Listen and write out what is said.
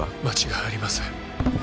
間違いありません。